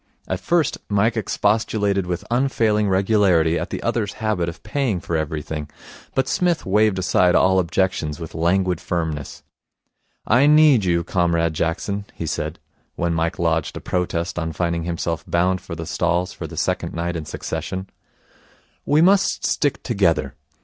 At first Mike expostulated with unfailing regularity at the other's habit of paying for everything, but Psmith waved aside all objections with languid firmness. 'I need you, Comrade Jackson,' he said, when Mike lodged a protest on finding himself bound for the stalls for the second night in succession. 'We must stick together.